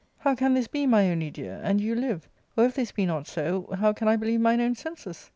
How can this be, my only dear, and you live ? Or, if this be not so, how can I believe mine own senses